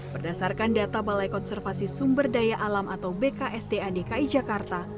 berdasarkan data balai konservasi sumber daya alam atau bksda dki jakarta